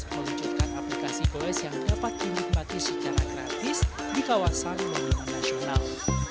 meluncurkan aplikasi goes yang dapat dinikmati secara gratis di kawasan monumen nasional